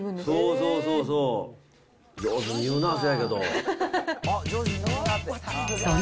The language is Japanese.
そうそうそうそう。